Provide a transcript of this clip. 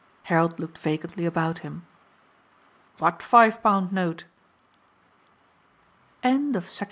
Harold looked vacantly about him. "What five pound note?" BOOK SEVENTH.